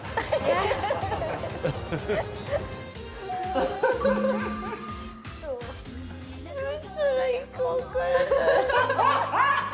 アハハハ！